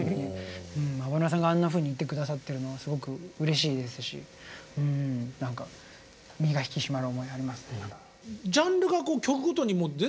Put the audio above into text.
ｍａｂａｎｕａさんがあんなふうに言って下さってるのすごくうれしいですし何か身が引き締まる思いありますね。